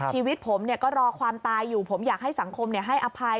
ชีวิตผมก็รอความตายอยู่ผมอยากให้สังคมให้อภัย